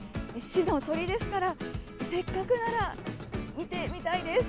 市の鳥ですから、せっかくなら見てみたいです。